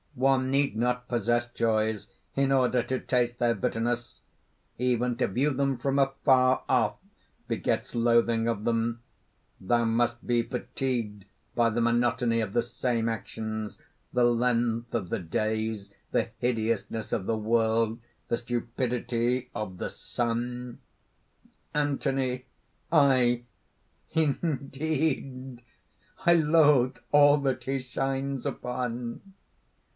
"One need not possess joys in order to taste their bitterness! Even to view them from afar off begets loathing of them. Thou must be fatigued by the monotony of the same actions, the length of the days, the hideousness of the world, the stupidity of the sun?" ANTHONY. "Aye, indeed! I loathe all that he shines upon."